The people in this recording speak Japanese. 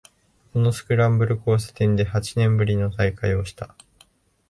このスクランブル交差点で八年ぶりの再会をした